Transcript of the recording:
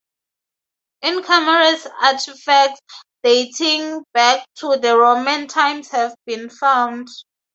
In Kamares artefacts dating back to the Roman times have been found.